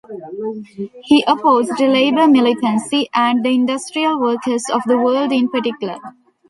He opposed labour militancy and the Industrial Workers of the World in particular.